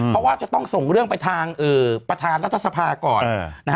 เพราะว่าจะต้องส่งเรื่องไปทางประธานรัฐสภาก่อน